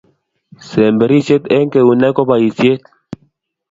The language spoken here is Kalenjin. semberishet eng keunek ko poishet